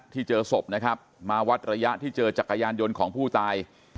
เจอศพนะครับมาวัดระยะที่เจอจักรยานยนต์ของผู้ตาย